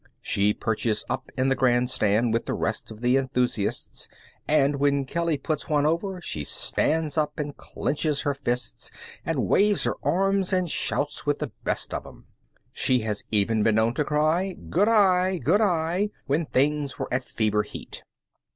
She perches up in the grand stand with the rest of the enthusiasts, and when Kelly puts one over she stands up and clinches her fists, and waves her arms and shouts with the best of 'em. She has even been known to cry, "Good eye! Good eye!" when things were at fever heat.